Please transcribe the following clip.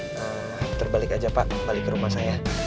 ntar balik aja pak balik ke rumah saya